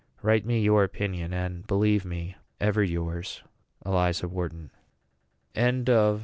Write me your opinion, and believe me ever yours, ELIZA WHARTON. LETTER XV.